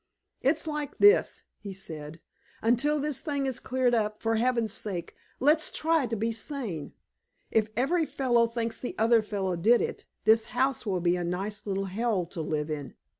"It's like this," he said, "until this thing is cleared up, for Heaven's sake, let's try to be sane! If every fellow thinks the other fellow did it, this house will be a nice little hell to live in.